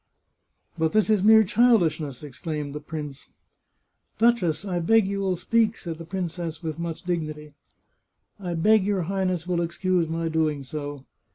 " But this is mere childishness !" exclaimed the prince. " Duchess, I beg you will speak," said the princess with much dignity. " I beg your Highness will excuse my doing so.